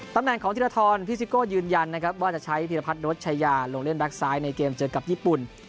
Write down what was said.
ตำแหน่งของธิรทรพี่ซิโก้ยืนยันนะครับว่าจะใช้พิรพัฒนโดชยาลงเล่นแก๊กซ้ายในเกมเจอกับญี่ปุ่น